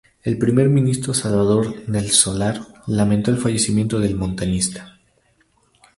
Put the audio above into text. El primer ministro Salvador del Solar lamentó el fallecimiento del montañista.